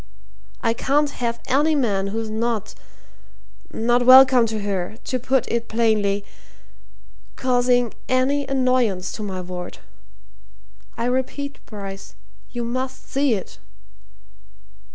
I can't have any man who's not not welcome to her, to put it plainly causing any annoyance to my ward. I repeat, Bryce you must see it!"